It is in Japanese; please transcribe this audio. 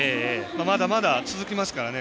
まだまだ続きますからね。